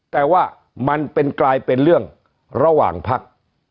แต่ว่ามันเป็นกลายเป็นเรื่องระหว่างพัก